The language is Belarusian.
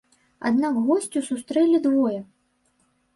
Аднак госцю сустрэлі двое.